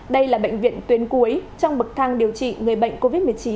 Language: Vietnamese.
đây là bệnh viện tuyến cuối trong bậc thang điều trị người bệnh covid một mươi chín